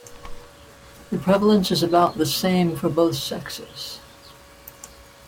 The prevalence is about the same for both sexes.